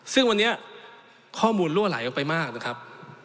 ซึ่งวันนี้ข้อมูลรั่วไหลออกไปมากนะครับ